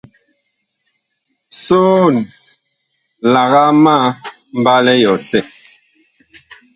Soon, lagaa ma mbalɛ yɔsɛ.